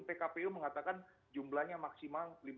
pkpu mengatakan jumlahnya maksimal